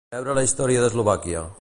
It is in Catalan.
Veure la història d'Eslovàquia.